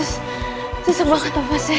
aku susah banget wajahnya